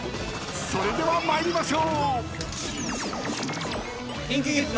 ［それでは参りましょう］